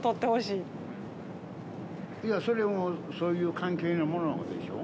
いや、そういう関係のものをでしょ？